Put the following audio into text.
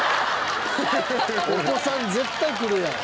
お子さん絶対来るやん。